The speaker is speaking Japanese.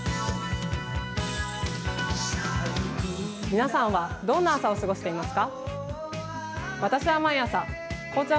皆さんは、どんな朝を過ごしていますか。